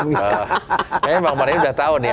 kayaknya bang mareny udah tahu nih